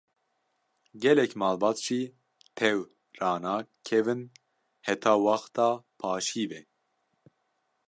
Gelek malbat jî tew ranakevin heta wexta paşîvê.